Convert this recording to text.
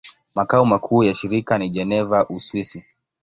Makao makuu ya shirika ni Geneva, Uswisi.